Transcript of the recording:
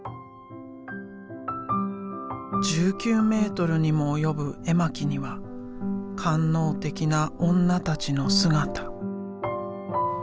１９メートルにも及ぶ絵巻には官能的な女たちの姿。